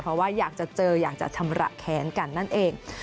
เพราะว่าอยากจะเจออยากจะชำระแค้นกันนั่นเอง